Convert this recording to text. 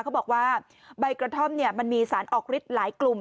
เขาบอกว่าใบกระท่อมมันมีสารออกฤทธิ์หลายกลุ่ม